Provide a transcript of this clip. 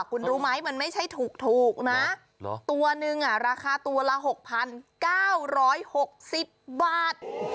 คุณรู้ไหมมันไม่ใช่ถูกถูกนะตัวหนึ่งอ่ะราคาตัวละหกพันเก้าร้อยหกสิบบาท